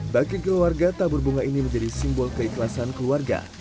bagi keluarga tabur bunga ini menjadi simbol keikhlasan keluarga